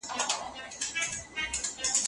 نړیواله ورځ د ښځو لاسته راوړنو یادونه کوي.